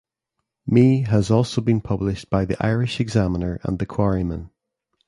Mee has also been published by the "Irish Examiner" and "The Quarryman".